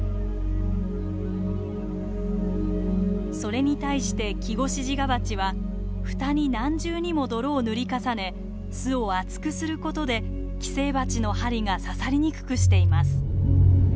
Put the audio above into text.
それに対してキゴシジガバチは蓋に何重にも泥を塗り重ね巣を厚くする事で寄生バチの針が刺さりにくくしています。